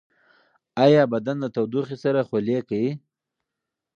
ایا بدن د تودوخې سره خولې کوي؟